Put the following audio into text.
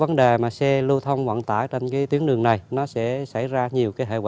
vấn đề xe lưu thông vận tải trên tuyến đường này sẽ xảy ra nhiều